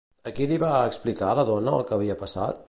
A qui li va explicar la dona el que havia passat?